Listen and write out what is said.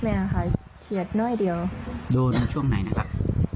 ค่ะเขียดน้อยเดียวโดนช่วงไหนนะครับ